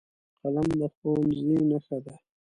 قلم د ښوونځي نښه ده